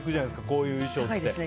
こういう衣装って。